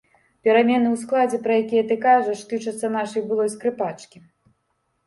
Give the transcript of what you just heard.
Перамены ў складзе, пра якія ты кажаш, тычацца нашай былой скрыпачкі.